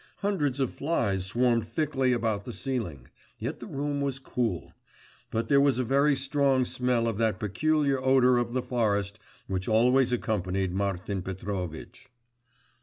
Hundreds of flies swarmed thickly about the ceiling; yet the room was cool. But there was a very strong smell of that peculiar odour of the forest which always accompanied Martin Petrovitch.